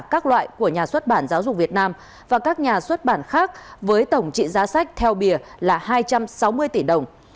các loại của nhà xuất bản giáo dục việt nam và các nhà xuất bản khác với tổng trị giá sách theo bìa là hai trăm sáu mươi tỷ đồng